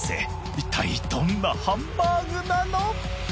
いったいどんなハンバーグなの？